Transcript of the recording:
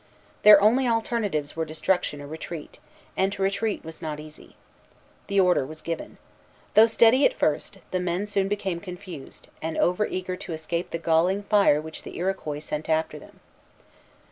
Their only alternatives were destruction or retreat; and to retreat was not easy. The order was given. Though steady at first, the men soon became confused, and over eager to escape the galling fire which the Iroquois sent after them.